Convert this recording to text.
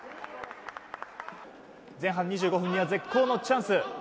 前半２５分には絶好のチャンス。